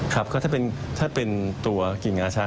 ครับก็ถ้าเป็นตัวกิ่งงาช้าง